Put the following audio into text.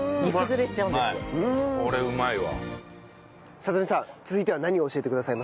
さとみさん続いては何を教えてくださいますか？